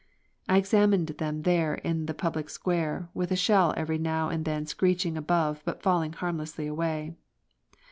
I examined them there in the public square, with a shell every now and then screeching above but falling harmlessly far away.